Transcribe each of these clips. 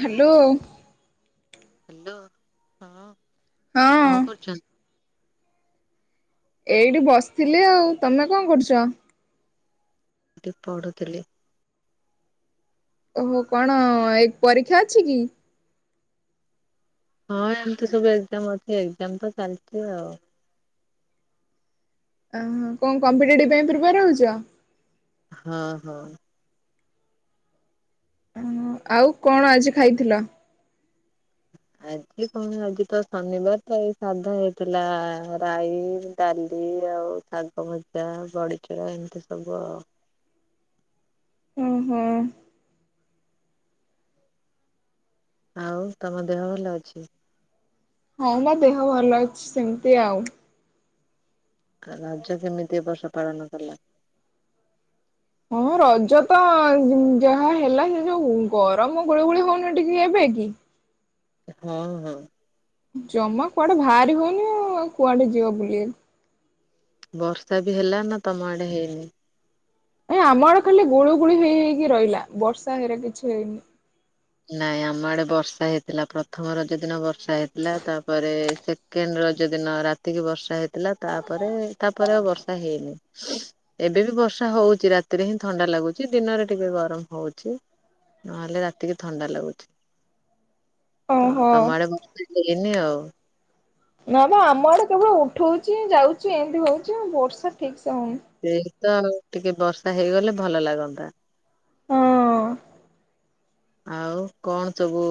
Hello. Hello ହଁ ହଁ କଣ କରୁଛନ୍ତି। ଏଇଠି ବସିଥିଲି ଆଉ ତମେ କଣ କରୁଛ? ଟିକେ ପଢୁଥିଲି। ଓହୋ କଣ ଏଇ ପରୀକ୍ଷା ଅଛି କି? ହଁ ଏମିତି ସବୁ ଏକ୍ଜାମ ଅଛି ଏକ୍ଜାମ ତ ଚାଲିଛି ଆଉ। ଓହୋ କଣ କମ୍ପିଟେଟିଭ ପାଇଁ ପ୍ରିପାର ହଉଛ? ହଁ ହଁ। ହଁ ଆଉ କଣ ଆଜି ଖାଇଥିଲ? ଆଜି କଣ ଆଜି ତ ଶନିବାର ତ ଏଇ ସାଧା ହେଇଥିଲା ରାଇ ଡାଲି ଆଉ ଶାଗ ଭଜା ବଡିଚୁରା ଏମିତି ସବୁ ଆଉ। ହୁଁ ହୁଁ। ଆଉ ତମ ଦେହ ଭଲ ଅଛି? ହଁ ବା ଦେହ ଭଲ ଅଛି ସେମିତି ଆଉ। ରଜ କେମିତି ଏ ବର୍ଷ ପାଳନ କଲ? ହଁ ରଜ ତ ଯାହା ହେଲା ସେ ଯୋଉ ଗରମ ଗୁଳି ଗୁଳି ହଉନି ଟିକେ ଏବେ କି ହଁ ହଁ। ଜମା କୁଆଡେ ଭାହାରି ହଉନି ଆଉ କୁଆଡେ ଯିବ ବୁଲିଆକୁ। ବର୍ଷା ବି ହେଲା ନା ତମ ଆଡେ ହେଇନି? ଏ ଆମ ଆଡେ ଖାଲି ଗୁଳୁ ଗୁଳି ହେଇ ହେଇକି ରହିଲା ବର୍ଷା ହେଇରା କିଛି ହେଇନି। ନାଇଁ ଆମ ଆଡେ ବର୍ଷା ହେଇଥିଲା ପ୍ରଥମ ରଜ ଦିନ ବର୍ଷା ହେଇଥିଲା ତାପରେ ସେକେଣ୍ଡ ରଜ ଦିନ ରାତିକି ବର୍ଷା ହେଇଥିଲା ତାପରେ ତାପରେ ଆଉ ବର୍ଷା ହେଇନି ଏବେ ବି ବର୍ଷା ହଉଛି ରାତିରେ ହିଁ ଥଣ୍ଡା ଲାଗୁଛି ଦିନରେ ଟିକେ ଗରମ ହଉଛି ନହେଲେ ରା ଟିକେ ଥଣ୍ଡା ଲାଗୁଛି। ତ ଓହୋ ତମ ଆଡେ [inaudible] ଏନି ଆଉ ନା ବା ଆମ ଆଡେ କେବଳ ଉଠଉଚି ଯାଉଚି ଏମିତି ହଉଚି ଆଉ ବର୍ଷା ଠିକ ସେ ହଉନି। ସେଇ ତ ଟିକେ ବର୍ଷା ହେଇଗଲେ ଭଲ ଲାଗନ୍ତା। ହଁ। ଆଉ କଣ ସବୁ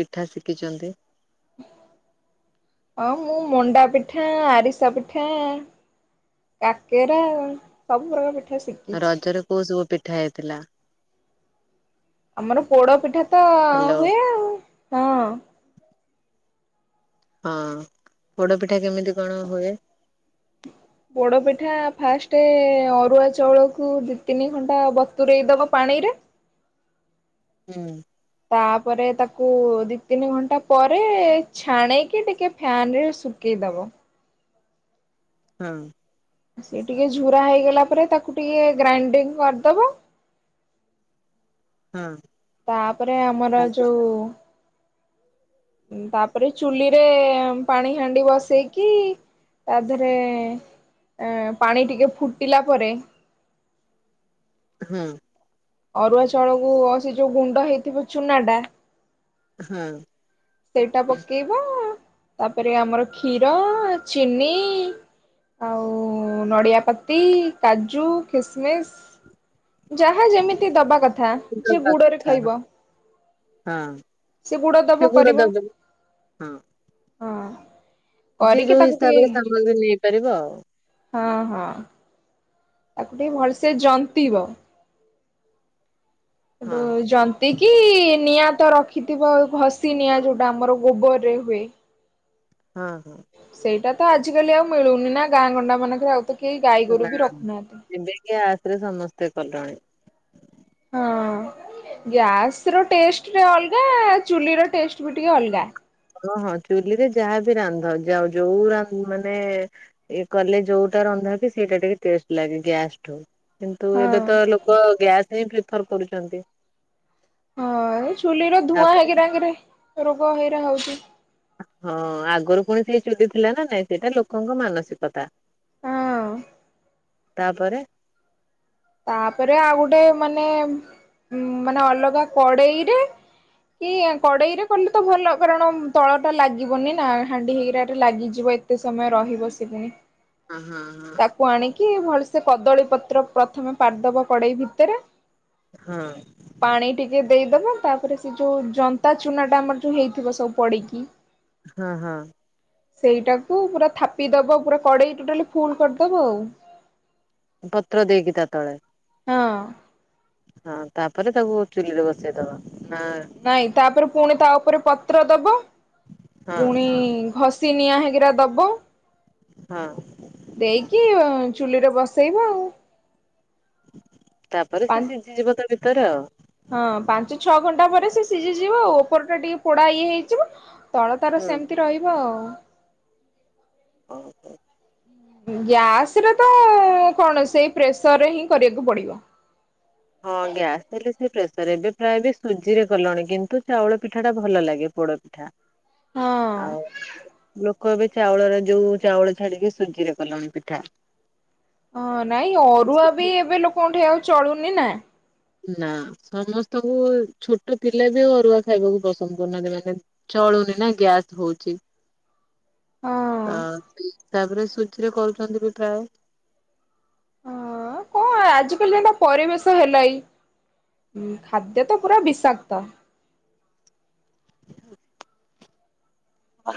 ପିଠା ଶିଖିଚନ୍ତି? ହଁ ମୁଁ ମଣ୍ଡା ପିଠା ଆରିସା ପିଠା କାକେରା ସବୁ ପ୍ରକାର ପି ରଜରେ କୋଉ ସବୁ ପି ଠା ହେଇଥିଲା? ଆମର ପୋଡ ପିଠା ତ ହ୍ୟାଲୋ ହୁଏ ଆଉ ହଁ। ହଁ ପୋଡ ପିଠା କେମିତି କଣ ହୁଏ? ପୋଡ ପିଠା ଫାଷ୍ଟେ ଅରୁଆ ଚାଉଳକୁ ଦି ତିନି ଘଣ୍ଟା ବତୁରେଇ ଦବ ପାଣିରେ ହୁଁ। ତାପରେ ତାକୁ ଦି ତିନି ଘଣ୍ଟା ପରେ ଛାଣିକି ଟିକେ ଫ୍ୟାନ ରେ ଶୁଖେଇଦବ। ହଁ। ସେ ଟିକେ ଝୁରା ହେଇଗଲା ପରେ ତାକୁ ଟିକେ ଗ୍ରାଇଣ୍ଡିଙ୍ଗ କରିଦବ ହଁ। ତାପରେ ଆମର ତାପ ଯୋଉ ତାପରେ ଚୁଲିରେ ପାଣି ହାଣ୍ଡି ବସେଇକି ତା ଦେହେରେ ଏଁ ପାଣି ଟିକେ ଫୁଟିଲା ପରେ ହୁଁ। ଅରୁଆ ଚାଉଳକୁ ଅ ସେ ଯୋଉ ଗୁଣ୍ଡ ହେଇଥିବ ଚୁନାଟା ହଁ। ସେଇଟା ପକେଇବ ତାପରେ ଆମର କ୍ଷୀର ଚିନି ଆଉ ନଡିଆପତି କାଜୁ କିସମିସ ଯାହା ଯେମିତି ଦବା କଥା ଯିଏ ଦବା ଗୁଡରେ କଥା ଖାଇବ ହଁ। ସେ ଗୁଡ ଦବ ଗୁଡ କରିବା ଦବ ହଁ। ଯି କରିକି ଯୋଉ ତାକୁ ଟିକେ ହିସାବରେ ତାଙ୍କ ବି ନେଇପାରିବ ଆଉ ହଁ ହଁ ତାକୁ ଟିକେ ଭଲସେ ଜନ୍ତିବ ହଁ ହ ଜ ଏତିକି ନିଆଁ ତ ରଖିଥିବ ଘସି ନିଆଁ ଯୋଉଟା ଆମର ଗୋବରରେ ହୁଏ। ହଁ ହଁ ସେଇଟା ତ ଆଜିକାଲି ଆଉ ମିଳୁନି ନା ଗାଁ ଗଣ୍ଡା ମାନଙ୍କରେ ଆଉ ତ କେହି ଗାଈ ଗୋରୁ ବି ରଖୁନାହାନ୍ତି। ଥିରେ ସମସ୍ତେ କଲେଣି। ହଁ ଗ୍ୟାସ ର ଟେଷ୍ଟ ଟ ଅଲଗା ଚୁଲି ର ଟେଷ୍ଟ ବି ଟିକେ ଅଲଗା ଓହଁ ଚୁଲିରେ ଯାହାବି ରାନ୍ଧ ଯାଉ ଯୋଉ ମାନେ ଇଏ କଲେ ଯୋଉଟା ରନ୍ଧା କି ସେଇଟା ଟିକେ ଟେଷ୍ଟ ଲାଗେ ଗ୍ୟାସଠୁ କିନ୍ତୁ ଏବେ ହଁ ତ ଲୋକ ଗ୍ୟାସ ହିଁ ପଥର କରୁଛନ୍ତି। ହଁ ଚୁଲି ର ଧୂଆଁ ତାପରେ ହେଇକି ଆଙ୍କରେ ରୋଗ ହେଇରା ହଉଛି। ହଁ ଆଗରୁ ପୁଣି ସେ ଚୁଟି ଥିଲା ନା ନାଇଁ ସେଇଟା ଲୋକଙ୍କ ମାନସିକତା ହଁ ତାପରେ ତାପରେ ଆଉ ଗୋଟେ ମାନେ ଉ ମାନେ ଅଲଗା କଡେଇରେ କି କଡେଇରେ କଲେ ତ ଭଲ କାରଣ ତଳ ଟା ଲାଗିବନି ନା ହାଣ୍ଡି ହେଇକି ଲାଗିଯିବ ଏତେ ସମୟ ରହିିବସ ପୁନ ହଁ ହଁ ହଁ। କିଏ ଭଲ ସେ କଦଳୀପତ୍ର। ପ୍ରଥମେ ପାରଦବ କଡେଇ ଭିତରେ ହଁ ପାଣି ଟିକେ ଦେଇଦବା। ତାପରେ ସେ ଯୋଉ ଜନତା ଚୁନା ଟା ଆମର ଯୋଉ ହେଇଥିବ ସବୁ ପଡିକି। ହଁ ହଁ ସେଇଟାକୁ ପୁରା ଥାପିଦବ ପୁରା କଡେଇ ଟୋଟାଲି ଫୁଲ କରିଦବ ଆଉ ପତ୍ର ଦେଇକି ତା ତଳେ ହଁ। ହଁ ତାପରେ ତାକୁ ଚୁଲି ରେ ବସେଇଦବା। ନା ନାଇଁ ତାପରେ ପୁଣି ତା ଉପରେ ପତ୍ର ଦେବ ହଁ ପୁଣି ଘସି ନିିଆ ହେ ଆରା ଦବୁ ହଁ। ବସେଇବ ଆଉ। [inaudible] ତାପରେ ସେ ପାଞ୍ଚ ସିଝିଯିବ ତ [unintelligible] ହଁ ପାଞ୍ଚ ଛଅ ଘଣ୍ଟା ପରେ ସେ ସିଝିଯିବ ଆଉ ଉପରଟା ଟିକେ ପୋଡା ଇଏ ହେଇଯିବ ତଳ ତାର ହୁଁ। ସେମିତି ରହିବ ଆଉ। ଓ ହୋ। ଗ୍ୟାସରେ ତ କଣ ସେଇ ପ୍ରେସରରେ ହିଁ କରିବାକୁ ପଡିବ। ହଁ ଗ୍ୟାସ ହେଲେ ପ୍ରେସର୍ ଏବେ ପ୍ରାୟ ବି ସୁଜିରେ କଲଣି କିନ୍ତୁ ଚାଉଳ ପିଠାଟା ଭଲ ଲାଗେ ପୋଡ଼ ପିଠା। ହଁ ଆଉ [inaudible] ଲ କହିବେ ଚାଉଳରେ ଯୋଉ ଚାଉଳ ଛାଡିକି ସୁଜିରେ କଲଣି ପିଠା। ହଁ ନାଇଁ ଅରୁଆ ବି ଏବେ ଲୋକଙ୍କଠେଇଆ ଆାଉ ଚଳୁନି ନା। ନା ସମସ୍ତଙ୍କୁ ଛୋଟ ପିଲା ବି ଅରୁଆ ଖାଇବାକୁ ପସନ୍ଦ କରୁନାହାନ୍ତି ମାନେ ଚଳୁନି ନା ଗ୍ୟାସ ହୋଉଚି। ହଁ [inaudible] ଅ ତାପରେ ସୁ ସେଥିରେ କରହୁଛନ୍ତି ପିଠା। [inaudible] ହଁ କଣ ଆଜିକାଲି ଯେନ୍ତା ପରିବେଶ ହେଲାଇ [inaudible] ଖାଦ୍ୟ ତ ପୁରା ବିଷାକ୍ତ। [inaudible]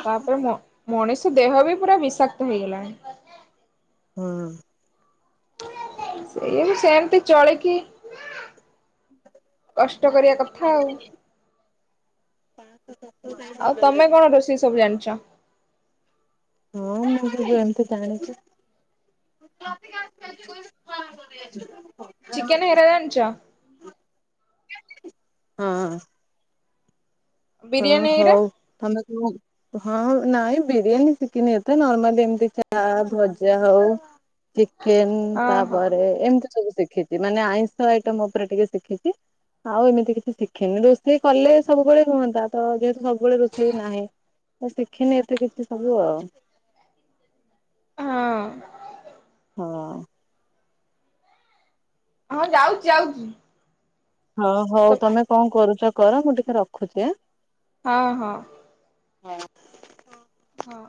ତାପରେ ମ ମଣିଷ ଦେହ ବି ପୁରା ବିଷାକ୍ତ ହେଇଗଲାଣି। [inaudible] ହଁ। ସେୟାବି ସେମିତି ଚଳିକି [inaudible] କଷ୍ଟ କରିବା କଥା ଆଉ [inaudible] ଆଉ ତମେ କଣ ରୋଷେଇ ସବୁ ଜାଣି ଞ୍ଚ [inaudible] ହଁ ମୁଁ ସେ ଯେମିତି ଜାଣିଛି। [inaudible] ଚିକେନେ ହେରାଜଣିଚ? [inaudible] [inaudible] ହଁ। ହଁ ବିରିୟାନୀ ହେଇରା ହଉ ତମେ ହଁ ନାଇଁ ବିରିୟାନୀ ଶିଖିନି ତ ନର୍ମାଲି ଏମିତି ଚା ଭଜା ହଉ ଚିକେନ ହଁ ହଁ ତାପରେ ଏମିତି ସବୁ ଶିଖିଛି ମାନେ ଆଇଁଷ ଆଇଟମ ଉପରେ ଟିକେ ଶିଖିଚି ଆଉ ଏମିତି କିଛି ଶିଖିନି ରୋଷେଇ କଲେ ସବୁବେଳେ ହୁଅ ତା ତ ଯେହେତୁ ସବୁବେଳେ ରୋଷେଇ ନାହିଁ ତ ଶିଖିନି ଏତେ କିଛି ସବୁ ଆଉ। ହଁ। ହଁ। ହଁ ଯାଉଚି ଯାଉଚି। ହଁ ହଉ ତମେ କଣ କରୁଚ କ କର ମୁ ଟିକେ ରଖୁଛି ଆଁ। ହଁ ହଁ। ହଁ। ହଁ।